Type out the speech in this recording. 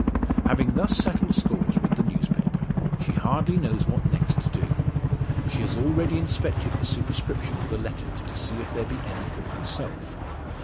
Having thus settled scores with the newspaper she hardly knows what next to do. She has already inspected the superscription of the letters, to see if there be any for herself.